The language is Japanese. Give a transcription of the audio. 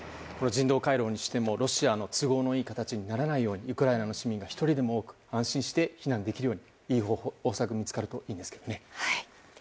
人道回廊にしてもロシアの都合のいいような形にならないようにウクライナの市民が１人でも多く安心して避難できるようにいい方策が見つかるといいんですけどね。